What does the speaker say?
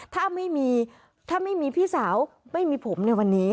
ถ้าไม่มีพี่สาวไม่มีผมในวันนี้